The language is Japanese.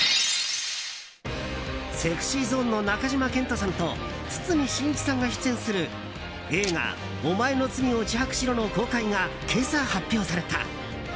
ＳｅｘｙＺｏｎｅの中島健人さんと堤真一さんが出演する映画「おまえの罪を自白しろ」の公開が今朝、発表された。